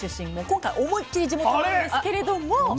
今回思いっきり地元なんですけれども。